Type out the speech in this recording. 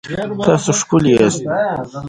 تاسو ښکلي یاست